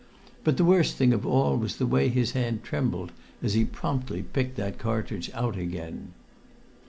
But the worst thing of all was the way his hand trembled as he promptly picked that cartridge out again.